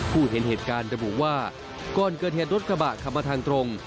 เห็นเหตุการณ์ระบุว่าก่อนเกิดเหตุรถกระบะขับมาทางตรง